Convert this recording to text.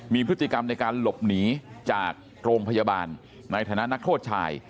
มีพฤติกรรมในการหลบหนีจากโรงพยาบาลในฐานะนักโทษชาย